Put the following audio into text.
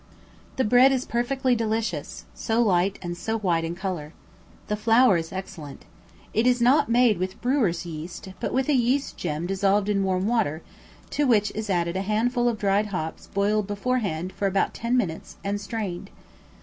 The bread is perfectly delicious, so light and so white in colour. The flour is excellent. It is not made with brewers yeast, but with a yeast gem dissolved in warm water, to which is added a handful of dried hops boiled beforehand for about ten minutes, and strained.